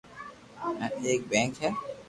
ھين اآڪ بيٺڪ ھي